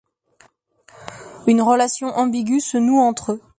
Une relation ambiguë se noue entre eux.